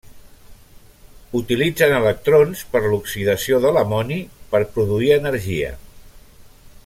Utilitzen electrons per l'oxidació de l'amoni per produir energia.